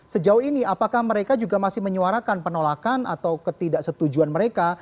sejauh ini apakah mereka juga masih menyuarakan penolakan atau ketidaksetujuan mereka